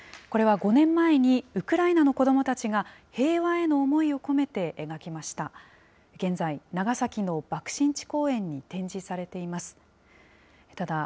これは５年前にウクライナの子どもたちが、平和への思いを込めて描きました。